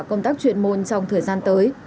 công tác chuyên môn trong thời gian tới